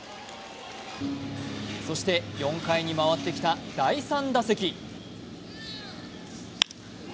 そして４回に回ってきた第３打席。